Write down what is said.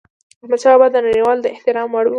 احمدشاه بابا د نړيوالو د احترام وړ و.